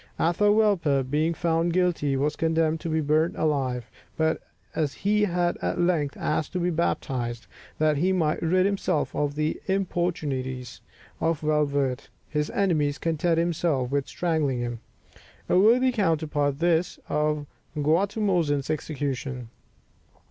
Atahualpa, being found guilty, was condemned to be burnt alive; but as he had at length asked to be baptized, that he might rid himself of the importunities of Valverde, his enemies contented themselves with strangling him. A worthy counterpart this, of Guatimozin's execution!